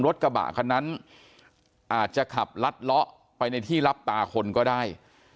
รถกระบะคันนั้นอาจจะขับลัดเลาะไปในที่รับตาคนก็ได้